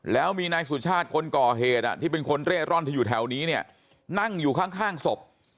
แล้วมีนายสุชาติคนก่อเหตุที่เป็นคนเร่ร่อนที่อยู่แถวนี้เนี่ยนั่งอยู่ข้างศพ